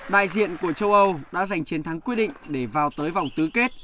đại diện của châu âu đã giành chiến thắng quyết định để vào tới vòng tứ kết